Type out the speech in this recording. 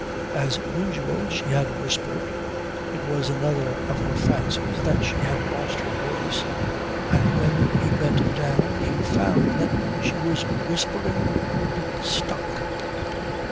As usual she had whispered it was another of her fancies that she had lost her voice and when he bent down he found that she was whispering the word stuck.